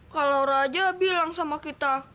kak laura aja bilang sama kita